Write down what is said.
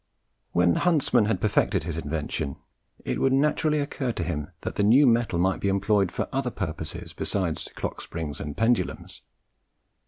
When Huntsman had perfected his invention, it would naturally occur to him that the new metal might be employed for other purposes besides clock springs and pendulums.